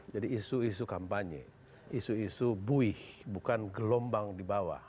jadi isu isu kampanye isu isu buih bukan gelombang di bawah